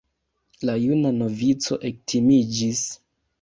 La juna novico ektimiĝis.